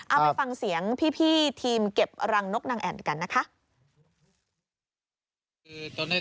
เอาไปฟังเสียงพี่ทีมเก็บรังนกนางแอ่นกันนะคะ